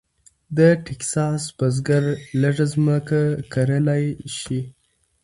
د ټیکساس بزګر لږه ځمکه کرلی شي.